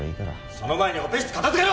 その前にオペ室片づけろ！